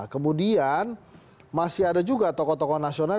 kemudian masih ada juga tokoh tokoh nasional